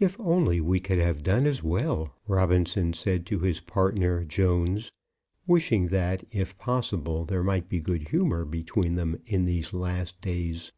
"If only we could have done as well," Robinson said to his partner Jones, wishing that, if possible, there might be good humour between them in these last days.